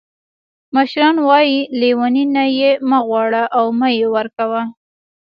مشران وایي: لیوني نه یې مه غواړه او مه یې ورکوه.